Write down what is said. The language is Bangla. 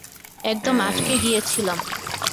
একদম আটকে গিয়েছিলাম।